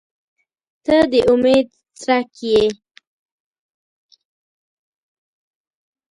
• ته د امید څرک یې.